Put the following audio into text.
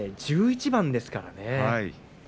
１１番ですからね。